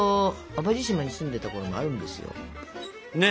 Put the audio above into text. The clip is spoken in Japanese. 淡路島に住んでたころもあるんですよ。ね。